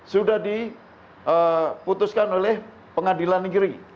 sudah diputuskan oleh pengadilan negeri